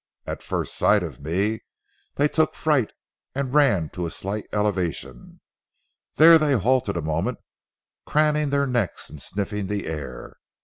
At first sight of me they took fright and ran to a slight elevation. There they halted a moment, craning their necks and sniffing the air.